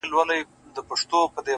اوس خو رڼاگاني كيسې نه كوي،